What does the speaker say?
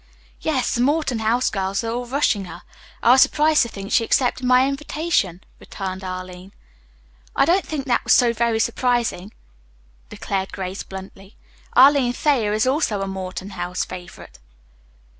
"Yes, the Morton House girls are all rushing her. I was surprised to think she accepted my invitation," returned Arline. "I don't think that was so very surprising," declared Grace bluntly. "Arline Thayer is also a Morton House favorite."